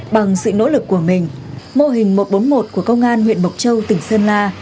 bằng sự nỗ lực của mình mô hình một trăm bốn mươi một của công an huyện mộc châu tỉnh sơn la